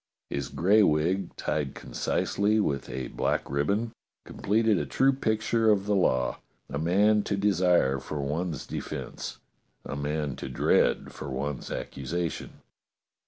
His gray wig, tied concisely with a black ribbon, completed a true picture of the law : a man to desire for one's de fence, a man to dread for one's accusation.